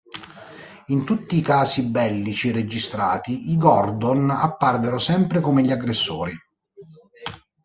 In tutti i casi bellici registrati, i Gordon apparvero sempre come gli aggressori.